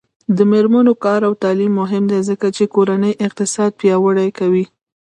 د میرمنو کار او تعلیم مهم دی ځکه چې کورنۍ اقتصاد پیاوړی کوي.